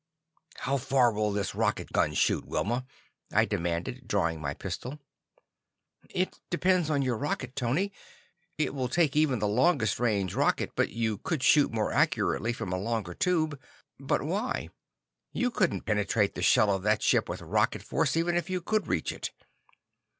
"How far will this rocket gun shoot, Wilma?" I demanded, drawing my pistol. "It depends on your rocket, Tony. It will take even the longest range rocket, but you could shoot more accurately from a longer tube. But why? You couldn't penetrate the shell of that ship with rocket force, even if you could reach it."